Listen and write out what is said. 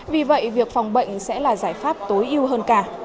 vì vậy việc phòng bệnh sẽ là giải pháp tối ưu hơn cả